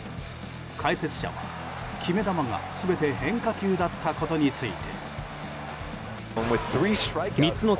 解説者は決め球が全て変化球だったことについて。